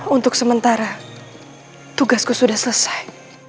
untuk sementara tugasku sudah selesai